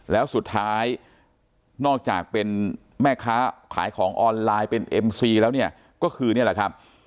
แล้วสุดท้ายนอกจากเป็นแม่ค้าขายของออนไลน์เป็นเอ็มซีแล้วเนี่ยก็คือนี่แหละครับ